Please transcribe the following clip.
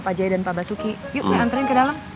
pak jaya dan pak basuki yuk saya antren ke dalam